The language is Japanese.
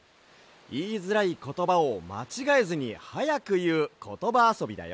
いいづらいことばをまちがえずにはやくいうことばあそびだよ。